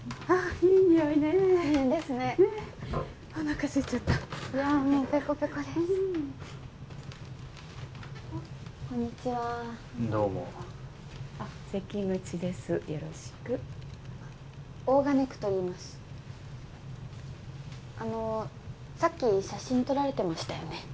あのさっき写真撮られてましたよね？